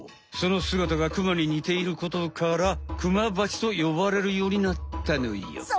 そのすがたがクマににていることからクマバチとよばれるようになったのよ。